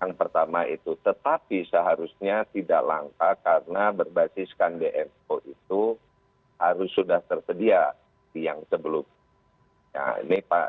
yang pertama itu tetapi seharusnya tidak langka karena berbasiskan dmo itu harus sudah tersedia yang sebelumnya